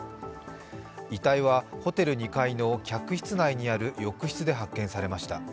遺体はホテル２階の客室内にある浴室で発見されました。